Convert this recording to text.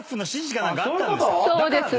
そうです。